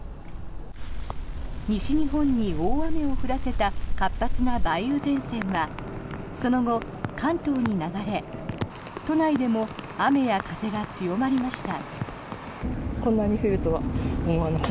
西日本に大雨を降らせた活発な梅雨前線はその後、関東に流れ都内でも雨や風が強まりました。